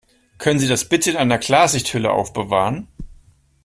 Können Sie das bitte in einer Klarsichthülle aufbewahren?